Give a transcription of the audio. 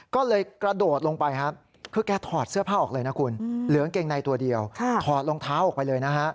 ก็เลยกระโดดลงไปครับคือแกถอดเสื้อผ้าออกเลยนะคุณเหลืองเกงในตัวเดียวถอดรองเท้าออกไปเลยนะฮะ